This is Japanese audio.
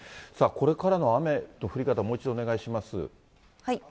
これからの雨の降り方、もう一度お願いします。